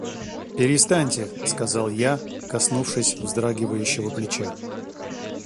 — Перестаньте, — сказал я, коснувшись вздрагивающего плеча.